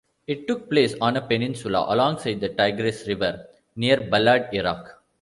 It took place on a peninsula alongside the Tigris River near Balad, Iraq.